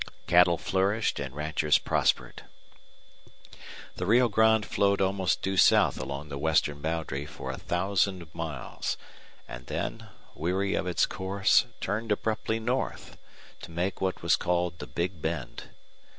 Cattle flourished and ranchers prospered. The Rio Grande flowed almost due south along the western boundary for a thousand miles, and then, weary of its course, turned abruptly north, to make what was called the Big Bend.